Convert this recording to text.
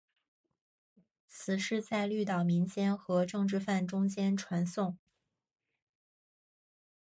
此事在绿岛民间和政治犯中间传诵。